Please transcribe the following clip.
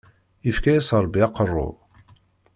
Yefka-yas rebbi aqerru.